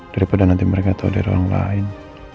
daripada nanti mereka tau ada orang lain